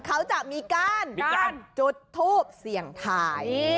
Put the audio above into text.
เขาจะมีการจุดทูปเสี่ยงทาย